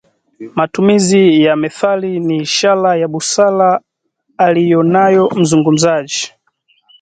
Matumizi ya methali ni ishara ya busara aliyonayo mzungumzaji